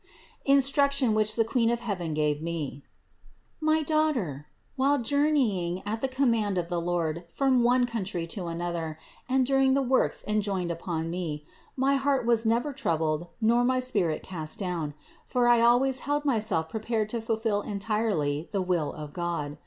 INSTRUCTION WHICH THE QUEEN OF HEAVEN GAVE ME. 710. My daughter, while journeying at the command of the Lord from one country to another and during the works enjoined upon me, my heart was never troubled nor my spirit cast down; for I always held myself pre pared to fulfill entirely the will of God.